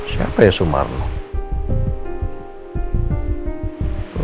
siapa ya sumarno